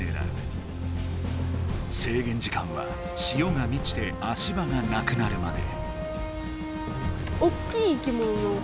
せいげん時間は潮がみちて足場がなくなるまで。